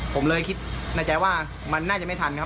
ผมเลยคิดในใจว่ามันน่าจะไม่ทันครับ